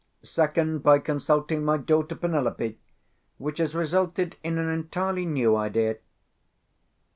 Second, by consulting my daughter Penelope, which has resulted in an entirely new idea.